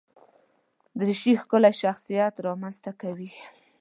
دریشي ښکلی شخصیت رامنځته کوي.